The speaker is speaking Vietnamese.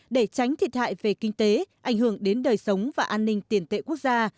để tránh thiệt hại về kinh tế ảnh hưởng đến đời sống và an ninh tiền tệ quốc gia